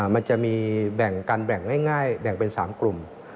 มันจะมีแบ่งกันแบ่งง่ายแบ่งเป็น๓กลุ่ม